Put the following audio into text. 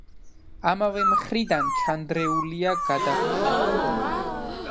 ამავე მხრიდან ჩანდრეულია გადახურვა.